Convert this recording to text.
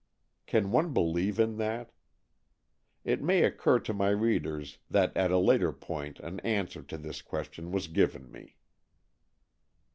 Can one believe in that? It may occur to my readers that at a later point an answer to this question was given me.